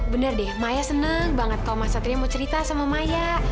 bener deh maya senang banget kalau mas satria mau cerita sama maya